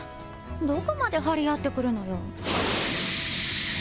どこまで張り合ってくるのよ。